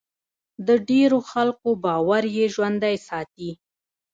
د ډېرو خلکو باور یې ژوندی ساتي.